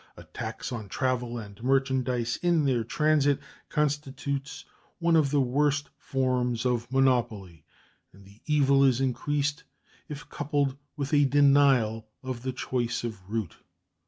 A tax on travel and merchandise in their transit constitutes one of the worst forms of monopoly, and the evil is increased if coupled with a denial of the choice of route.